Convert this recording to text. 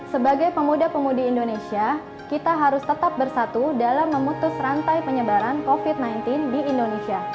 sebagai pemuda pemudi indonesia kita harus tetap bersatu dalam memutus rantai penyebaran covid sembilan belas di indonesia